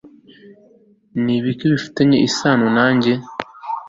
ni ibiki bifitanye isano nanjye